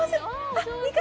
あっ、２回。